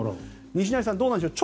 西成さん、どうなんでしょう